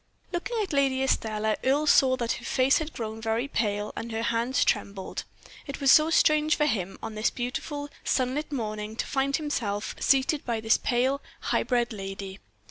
Looking at Lady Estelle, Earle saw that her face had grown very pale, and her hands trembled. It was so strange for him, on this beautiful, sunlit morning, to find himself seated by this pale, high bred lady.